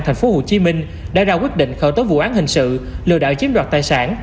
thành phố hồ chí minh đã ra quyết định khởi tố vụ án hình sự lừa đảo chiếm đoạt tài sản